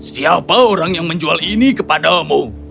siapa orang yang menjual ini kepadamu